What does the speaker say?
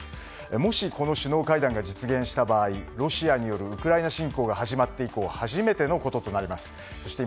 もしこの首脳会談が実現した場合ロシアによるウクライナ侵攻が始まって以降初めてのこととなります。